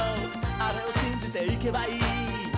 あれをしんじていけばいい」